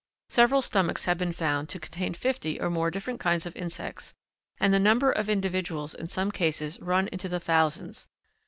Several stomachs have been found to contain fifty or more different kinds of insects, and the number of individuals in some cases run into the thousands.